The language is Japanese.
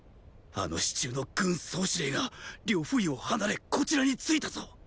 あの四柱の軍総司令が呂不韋を離れこちらについたぞ！